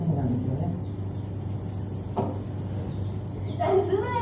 何すんのや！